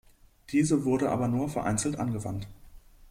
Diese wurde aber nur vereinzelt angewandt.